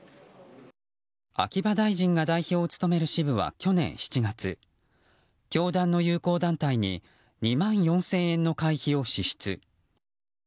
秋葉大臣が代表を務める支部は去年７月教団の友好団体に２万４０００円の会費を支出。